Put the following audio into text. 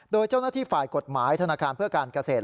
โดยเจ้าหน้าที่ฝ่ายกฎหมายธนาคารเพื่อการเกษตร